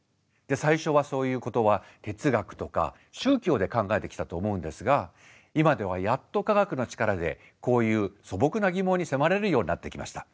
最初はそういうことは哲学とか宗教で考えてきたと思うんですが今ではやっと科学の力でこういう素朴な疑問に迫れるようになってきました。